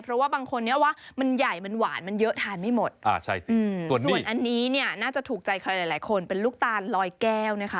เพราะว่าบางคนนี้ว่ามันใหญ่มันหวานมันเยอะทานไม่หมดส่วนอันนี้เนี่ยน่าจะถูกใจใครหลายคนเป็นลูกตาลลอยแก้วนะคะ